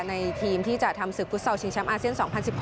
ในทีมที่จะทำศึกฟุตเซาท์ชิงเชียมอาร์เซียน๒๐๑๖